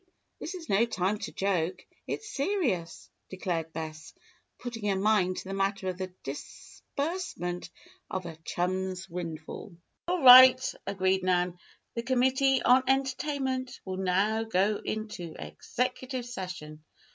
this is no time to joke. It's serious," declared Bess, putting her mind to the matter of the disbursement of her chum's windfall. "All right," agreed Nan. "The Committee on Entertainment will now go into executive session.